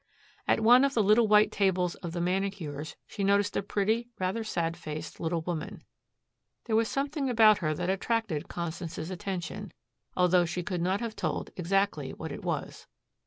At one of the little white tables of the manicures she noticed a pretty, rather sad faced little woman. There was something about her that attracted Constance's attention, although she could not have told exactly what it was.